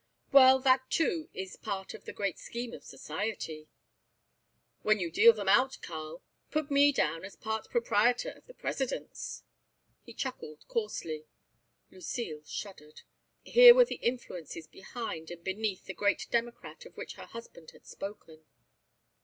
"Well, that too is part of the great scheme of society." "When you deal them out, Karl, put me down as part proprietor of the President's." He chuckled coarsely. Lucile shuddered. Here were the influences behind and beneath the great Democrat of which her husband had spoken.